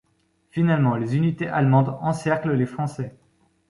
Finalement les unités allemandes encerclent les Français.